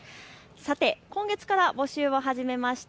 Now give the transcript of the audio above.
今月から募集を始めました